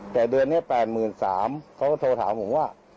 แต่เดือนนี้๘๓๐๐เขาก็โทรถามผมว่า